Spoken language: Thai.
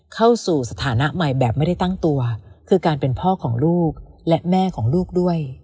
เข้าสู่สถานะใหม่แบบไม่ได้ตั้งตัวคือการเป็นพ่อของลูกและแม่ของลูกด้วย